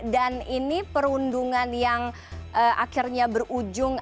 dan ini perundungan yang akhirnya berujung